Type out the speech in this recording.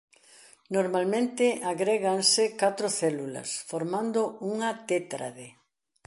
Normalmente agréganse catro células formando unha tétrade.